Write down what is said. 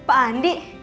eh pak andi